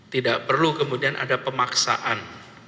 tidak perlu kemudian ada pemaksaan